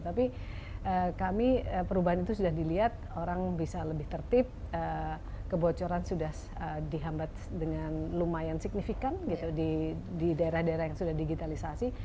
tapi kami perubahan itu sudah dilihat orang bisa lebih tertib kebocoran sudah dihambat dengan lumayan signifikan gitu di daerah daerah yang sudah digitalisasi